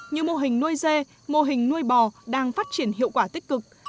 như mô hình nuôi dê mô hình nuôi bò đang phát triển hiệu quả tích cực